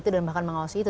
dan bahkan mengawasi itu